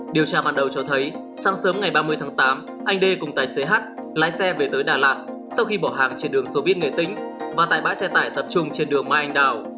điều tra ban đầu cho thấy sáng sớm ngày ba mươi tháng tám anh đê cùng tài xế h lái xe về tới đà lạt sau khi bỏ hàng trên đường soviet nghệ tĩnh và tại bãi xe tải tập trung trên đường mai anh đào